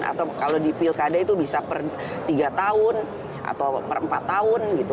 atau kalau di pilkada itu bisa per tiga tahun atau per empat tahun gitu